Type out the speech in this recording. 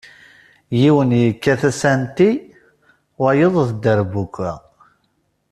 Yiwen yekkat asanti wayeḍ d dderbuka.